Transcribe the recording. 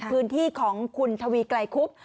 พื้นที่ของคุณทวีไกลคุบ